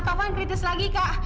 taufan kritis lagi kak